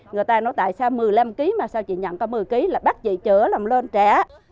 người ta nói tại sao một mươi năm kg mà sao chị nhận có một mươi kg là bắt chị chở làm lên trẻ